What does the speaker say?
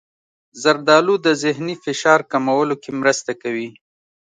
زردالو د ذهني فشار کمولو کې مرسته کوي.